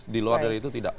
di luar dari itu tidak